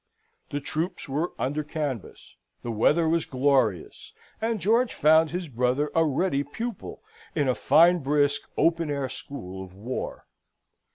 The troops were under canvas; the weather was glorious, and George found his brother a ready pupil in a fine brisk open air school of war.